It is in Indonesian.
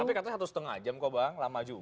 tapi katanya satu setengah jam kok bang lama juga